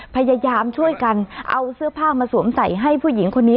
พยายามช่วยกันเอาเสื้อผ้ามาสวมใส่ให้ผู้หญิงคนนี้